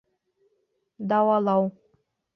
Дауалау